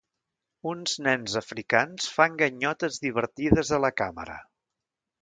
Uns nens africans fan ganyotes divertides a la càmera.